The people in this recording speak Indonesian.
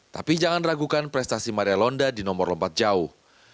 tapi jangan ragukan prestasi maria londa di nomor lompat jauh